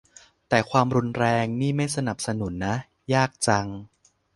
แต่ความรุนแรงนี่ไม่สนับสนุนนะ ยากจัง